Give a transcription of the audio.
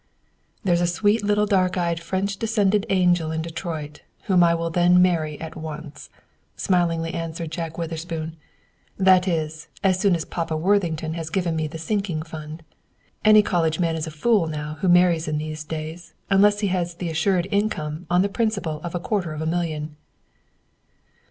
"There's a sweet little dark eyed French descended angel in Detroit, whom I will then marry at once," smilingly answered Jack Witherspoon, "that is, as soon as Papa Worthington has given me the sinking fund. Any college man is a fool now who marries in these days unless he has the assured income on the principal of a quarter of a million."